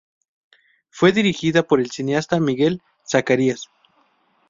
Fue dirigida por el cineasta Miguel Zacarías.